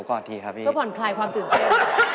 ขอปร่อนไพรความตื่นเต้น